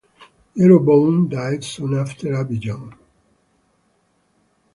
Jeroboam died soon after Abijam.